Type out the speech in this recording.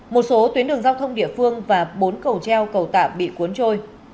một số tuyến đường giao thông địa phương và bốn cầu treo cầu tạm bị cuốn trôi